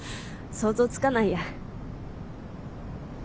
想像つかないや。